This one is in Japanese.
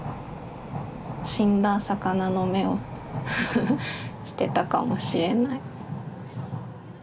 死んだ魚の目をしてたかもしれない。